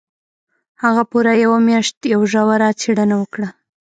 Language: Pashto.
هغه پوره يوه مياشت يوه ژوره څېړنه وکړه.